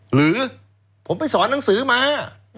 หรือผมไปสอนหนังสือมา